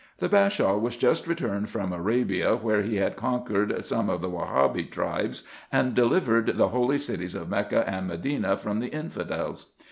The Bashaw was just returned from Arabia, where he had conquered some of the Wa haby tribes, and delivered the holy cities of Mecca and Medina from the Infidels.